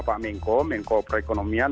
pak mengko mengko perekonomian